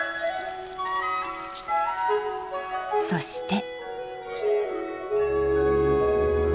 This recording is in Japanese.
そして。